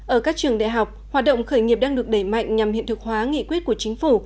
ở các trường đại học hoạt động khởi nghiệp đang được đẩy mạnh nhằm hiện thực hóa nghị quyết của chính phủ